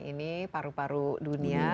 ini paru paru dunia